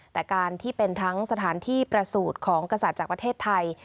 แต่การที่เป็นทั้งสถานที่ประสูจน์ของกษัตริย์จากประเทศไทย